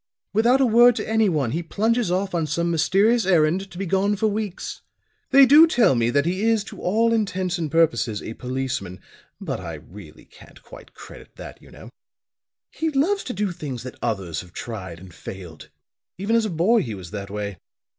Without a word to anyone he plunges off on some mysterious errand, to be gone for weeks. They do tell me that he is to all intents and purposes a policeman. But I really can't quite credit that, you know. He loves to do things that others have tried and failed. Even as a boy he was that way.